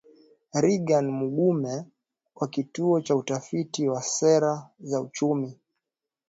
Reagan Mugume wa Kituo cha Utafiti wa Sera za Uchumi